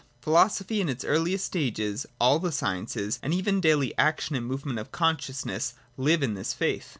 Philosophy in its earliest stages, all the sciences, and even the daily action and move ment of consciousness, live in this faith.